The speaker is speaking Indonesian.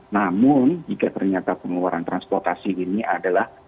namun jika ternyata pengeluaran transportasi ini adalah